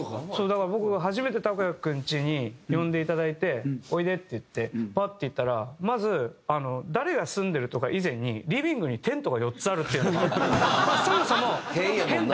だから僕が初めてＴＡＫＵＹＡ∞君ちに呼んで頂いて「おいで」って言ってパッて行ったらまず誰が住んでるとか以前にリビングにテントが４つあるっていうのがそもそも変だなと思って。